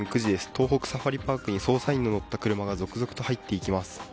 東北サファリパークに捜査員の乗った車が続々と入っていきます。